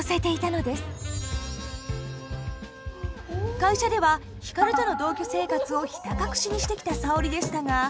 会社では光との同居生活をひた隠しにしてきた沙織でしたが。